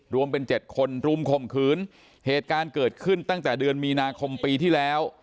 รวมเป็น๗คนรุมข่มขืนเหตุการณ์เกิดขึ้นตั้งแต่เดือนมีนาคมปีที่แล้ว